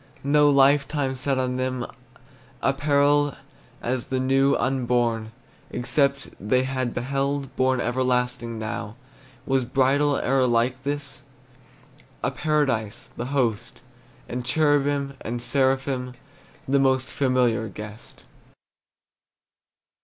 No lifetime set on them, Apparelled as the new Unborn, except they had beheld, Born everlasting now. Was bridal e'er like this? A paradise, the host, And cherubim and seraphim The most familiar guest.